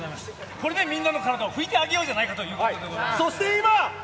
これでみんなの体を拭いてあげようじゃないかということでございそして今。